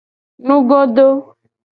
Nugodo.